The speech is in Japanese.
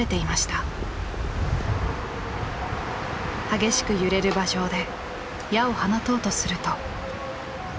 激しく揺れる馬上で矢を放とうとすると。